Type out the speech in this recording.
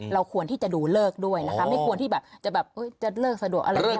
เราควรที่จะดูเลิกด้วยนะคะไม่ควรที่แบบจะเลิกสะดวกอะไรแบบนี้ไม่ได้